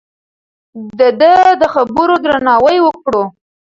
د ده د خبرو درناوی وکړو.